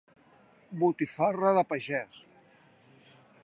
Botifarra de pagès!